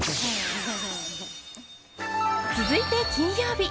続いて金曜日。